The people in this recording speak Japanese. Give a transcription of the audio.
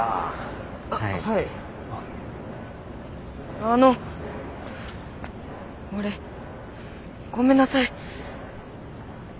あの俺ごめんなさい。